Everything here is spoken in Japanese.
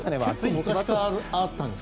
結構昔からあったんですか。